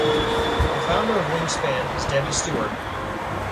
The founder of Wingspan is Debbie Stewart.